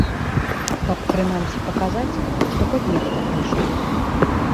Каб прынамсі паказаць, што хоць нехта прыйшоў.